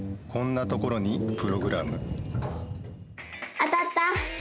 当たった！